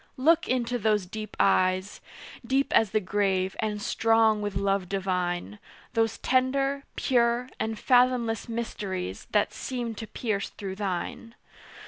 Look into those deep eyes, Deep as the grave, and strong with love divine; Those tender, pure, and fathomless mysteries, That seem to pierce through thine.